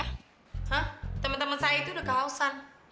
hah temen temen saya itu udah kehausan